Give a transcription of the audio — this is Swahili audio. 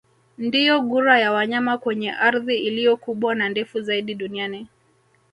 Ndiyo gura ya wanyama kwenye ardhi iliyo kubwa na ndefu zaidi duniani